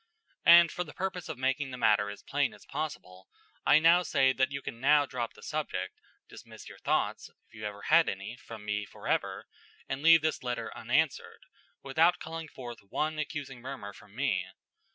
And for the purpose of making the matter as plain as possible, I now say that you can now drop the subject, dismiss your thoughts (if you ever had any) from me forever, and leave this letter unanswered, without calling forth one accusing murmur from me.